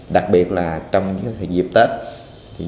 đặc biệt là trong dịp tết